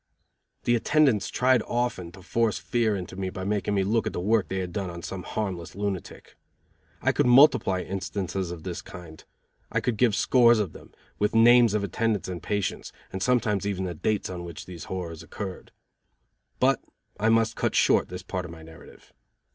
The attendants tried often to force fear into me by making me look at the work they had done on some harmless lunatic. I could multiply instances of this kind. I could give scores of them, with names of attendants and patients, and sometimes even the dates on which these horrors occurred. But I must cut short this part of my narrative.